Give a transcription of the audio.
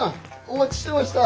お待ちしてました！